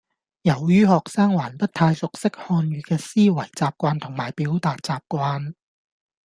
由於學生還不太熟悉漢語嘅思維習慣同埋表達習慣